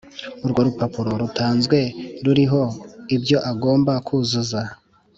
urwo rupapuro rutanzwe ruriho ibyo agomba kuzuza